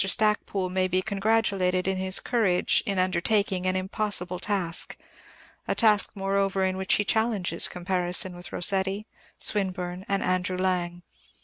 Stacpoole may be congratulated on his courage in undertaking an impossible task a task, moreover, in which he challenges comparison with Rossetti, Swinburne, and Andrew Lang.